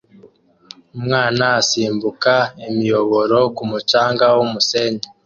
Umwana asimbuka imiyoboro ku mucanga wumusenyi